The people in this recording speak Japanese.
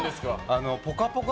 「ぽかぽか」